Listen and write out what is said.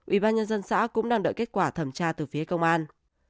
ủy ban nhân dân xã cũng đang đợi kết quả thẩm tra từ phía công an